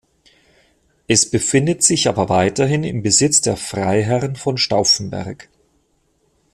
Es befindet sich aber weiterhin im Besitz der Freiherrn von Stauffenberg.